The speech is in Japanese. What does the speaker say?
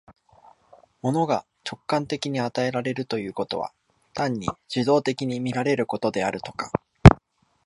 物が直観的に与えられるということは、単に受働的に見られることであるとか、